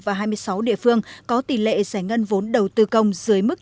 và hai mươi sáu địa phương có tỷ lệ giải ngân vốn đầu tư công dưới mức